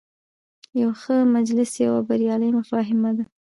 یو ښه مجلس یوه بریالۍ مفاهمه ده.